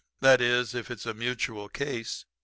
'That is, if it's a mutual case.